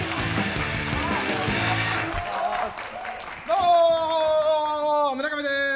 どうも、村上です。